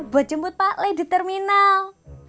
buat jemput pak lady di terminal